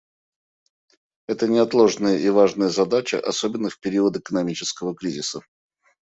Это неотложная и важная задача, особенно в период экономического кризиса.